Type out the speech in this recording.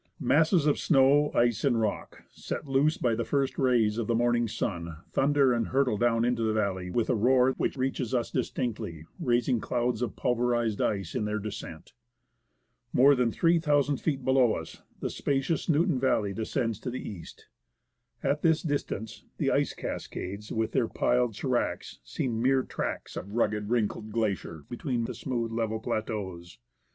Masses of snow, ice, and rock, set loose by the first rays of the morning sun, thunder and hurtle down into the valley with a roar which reaches us distinctly, raising clouds of pulverized ice in their descent. More than 3,000 feet below us the spacious Newton valley descends to the east. At this distance the ice cas cades, with their piled sdracs, seem mere tracts of rugged, wrinkled glacier between the smooth, level plateaux.